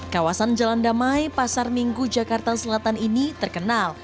kawasan jalan damai pasar minggu jakarta selatan ini terkenal